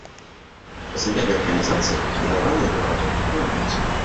Па заяве арганізацыі, ахвяраванні ад урадаў не прымаюцца.